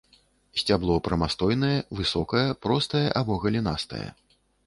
Сцябло прамастойнае, высокае, простае або галінастае.